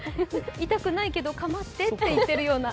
痛くないけど、かまってって言ってるような。